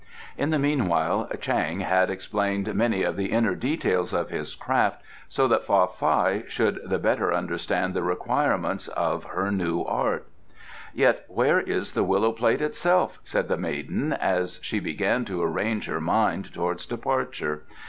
In the meanwhile Chang had explained many of the inner details of his craft so that Fa Fai should the better understand the requirements of her new art. "Yet where is the Willow plate itself?" said the maiden, as she began to arrange her mind towards departure.